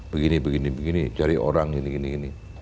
begini begini begini cari orang